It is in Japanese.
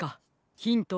ヒントは。